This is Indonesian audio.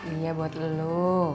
iya buat elu